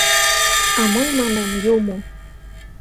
А мый манам — Юмо.